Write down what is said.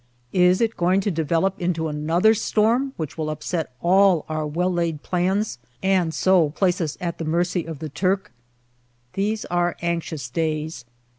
Is it going to develop into another storm which will upset all our well laid plans and so place us at the mercy of the Turk ? These are anxious days.